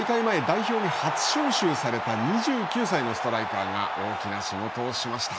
大会前代表に初招集された２９歳のストライカーが大きな仕事をしました。